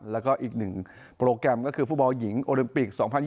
แล้วก็อีกหนึ่งโปรแกรมก็คือฟุตบอลหญิงโอลิมปิก๒๐๒๐